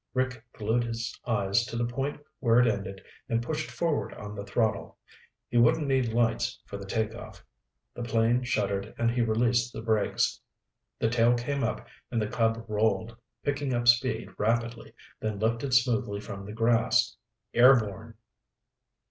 Rick glued his eyes to the point where it ended and pushed forward on the throttle. He wouldn't need lights for the takeoff. The plane shuddered and he released the brakes. The tail came up and the Cub rolled, picking up speed rapidly, then lifted smoothly from the grass. Airborne!